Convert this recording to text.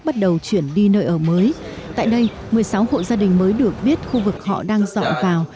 bắt đầu chuyển đi nơi ở mới tại đây một mươi sáu hộ gia đình mới được biết khu vực họ đang dọn vào